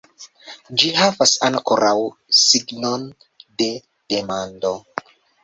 Ĝi havas ankoraŭ signon de demando.